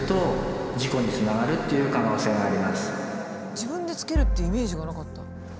自分でつけるっていうイメージがなかった。